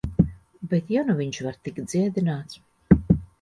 Bet ja nu viņš var tikt dziedināts...